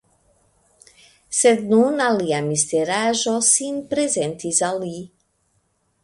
Sed nun alia misteraĵo sin prezentis al li.